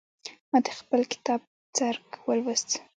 ما د خپل کتاب څرک ويوست.